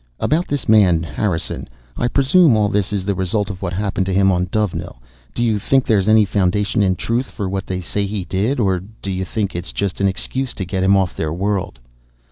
"About this man, Harrison. I presume all this is the result of what happened to him on Dovenil. Do you think there's any foundation in truth for what they say he did? Or do you think it's just an excuse to get him off their world?"